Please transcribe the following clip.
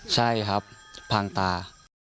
ใช่ครับพังตา